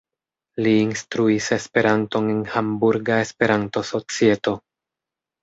Li instruis Esperanton en Hamburga Esperanto-Societo.